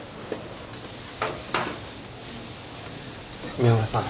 宮村さん。